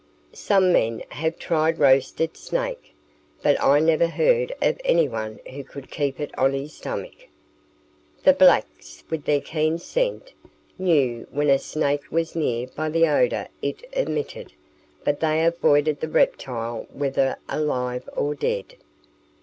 Some men have tried roasted snake, but I never heard of anyone who could keep it on his stomach. The blacks, with their keen scent, knew when a snake was near by the odour it emitted, but they avoided the reptile whether alive or dead.